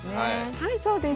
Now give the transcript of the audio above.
はいそうです。